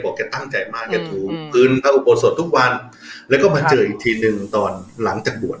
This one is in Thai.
แกตั้งใจมากจะถูกคืนพระอุโบสถทุกวันแล้วก็มาเจออีกทีหนึ่งตอนหลังจากบวช